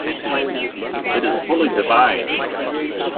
It is fully divine.